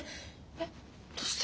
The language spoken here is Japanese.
えっどうして？